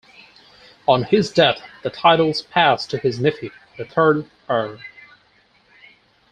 On his death the titles passed to his nephew, the third Earl.